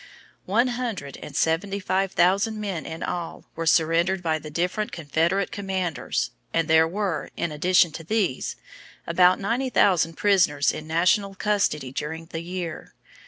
One hundred and seventy five thousand men in all were surrendered by the different Confederate commanders, and there were, in addition to these, about ninety nine thousand prisoners in national custody during the year.